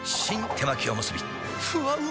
手巻おむすびふわうま